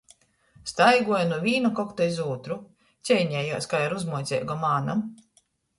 Staiguoja nu vīna kokta iz ūtru, ceinejuos kai ar uzmuoceigom ānom.